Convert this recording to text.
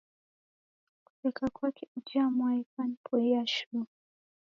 Kuseka kwake uja mwai kwanipoia shuu